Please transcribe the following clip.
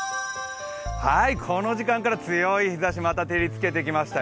この時間から強い日ざしまた照りつけてきましたよ。